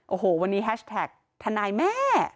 โอ้โหวันนี้แฮชแท็กทนายแม่